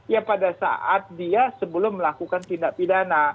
ya pada saat dia sebelum melakukan tindak pidana